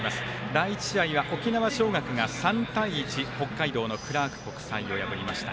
第１試合は沖縄尚学が３対１北海道のクラーク国際を破りました。